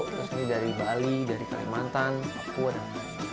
terus ini dari bali dari kalimantan papua dan papua